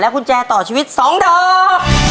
กุญแจต่อชีวิต๒ดอก